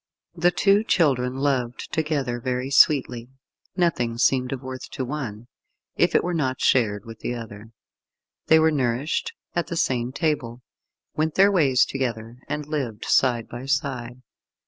The two children loved together very sweetly. Nothing seemed of worth to one, if it were not shared with the other. They were nourished at the same table, went their ways together, and lived side by side.